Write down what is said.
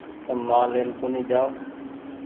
تم مآل لين ڪون جآئو